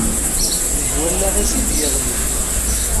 Deg wallaɣ-is i d-yeɣli.